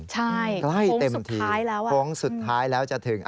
ใช่โพงสุดท้ายแล้วจะถึงใกล้เต็มที่โพงสุดท้ายแล้วจะถึง